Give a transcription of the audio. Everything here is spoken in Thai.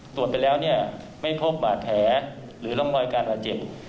ตรวจไปแล้วเนี่ยไม่พบบาดแผลหรือร่องรอยการบาดเจ็บ